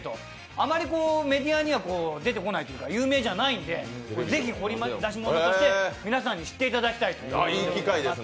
あまりメディアには出てこないというか有名じゃないのでぜひ掘り出し物として皆さんに知ってもらいたいと思って。